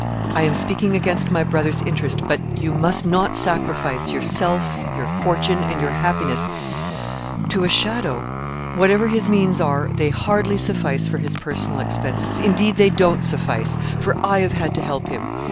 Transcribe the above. I am speaking against my brother's interest. But you must not sacrifice yourself, your fortune, and your happiness, to a shadow; whatever his means are, they hardly suffice for his personal expenses indeed, they don't suffice, for I have had to help him.